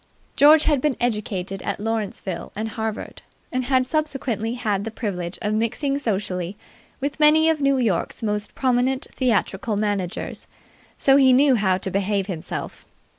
George had been educated at Lawrenceville and Harvard, and had subsequently had the privilege of mixing socially with many of New York's most prominent theatrical managers; so he knew how to behave himself.